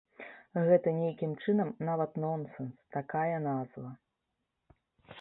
Гэта нейкім чынам нават нонсенс, такая назва.